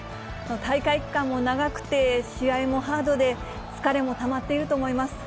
大会期間も長くて、試合もハードで、疲れもたまっていると思います。